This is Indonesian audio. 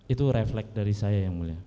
itu refleks dari saya yang mulia